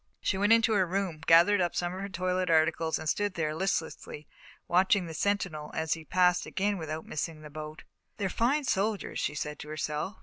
She went into her room, gathered up some of her toilet articles, and stood there, listlessly, watching the sentinel as he passed again without missing the boat. "They're fine soldiers," she said to herself.